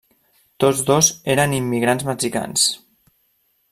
Tots dos eren immigrants mexicans.